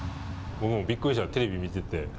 僕もびっくりした、テレビ見てて。